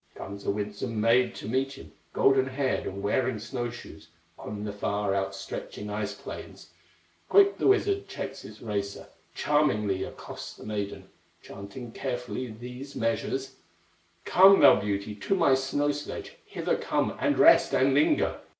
Comes a winsome maid to meet him, Golden haired, and wearing snow shoes, On the far outstretching ice plains; Quick the wizard checks his racer, Charmingly accosts the maiden, Chanting carefully these measures: "Come, thou beauty, to my snow sledge, Hither come, and rest, and linger!"